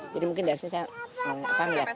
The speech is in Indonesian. jadi mungkin dari sini saya mau ke panggat